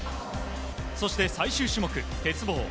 そして最終種目、鉄棒。